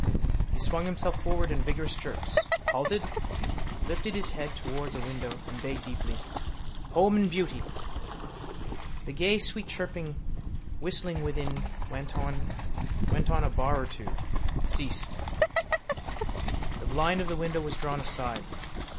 He swung himself forward in vigorous jerks, halted, lifted his head towards a window and bayed deeply: —home and beauty. The gay sweet chirping whistling within went on a bar or two, ceased. The blind of the window was drawn aside.